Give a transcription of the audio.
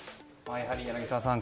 やはり、柳澤さん